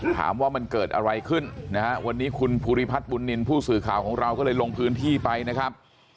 ถามว่ามันเกิดอะไรขึ้นนะฮะวันนี้คุณภูริพัฒน์บุญนินทร์ผู้สื่อข่าวของเราก็เลยลงพื้นที่ไปนะครับ